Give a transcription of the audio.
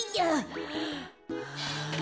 はあ。